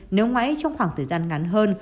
nếu ngoáy trong khoảng thời gian ngắn hơn